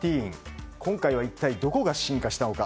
今回は一体どこが進化したのか。